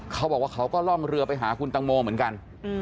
เขาบอกว่าเขาก็ล่องเรือไปหาคุณตังโมเหมือนกัน